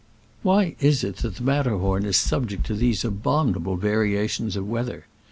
Why is it that the Matterhorn is sub ject to these abominable variations of weather?